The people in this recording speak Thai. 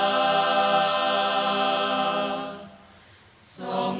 อย่าแค่คุณ